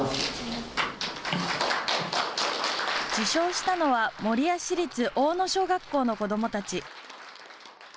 受賞したのは守谷市立大野小学校の子どもたち。